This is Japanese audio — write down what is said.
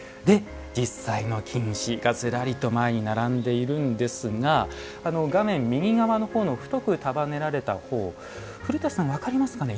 実際の金糸がずらりと前に並んでいるんですが、右側の太く束ねられた方古舘さん、分かりますかね。